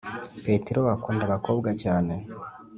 Petero akunda abakobwa cyane